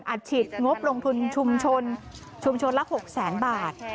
ฉีดงบลงทุนชุมชนชุมชนละ๖แสนบาท